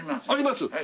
あります？